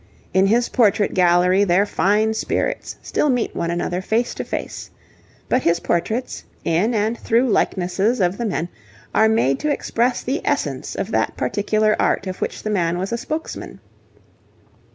In his portrait gallery their fine spirits still meet one another face to face. But his portraits, in and through likenesses of the men, are made to express the essence of that particular art of which the man was a spokesman.